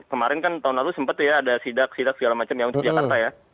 kemarin kan tahun lalu sempat ya ada sidak sidak segala macam ya untuk jakarta ya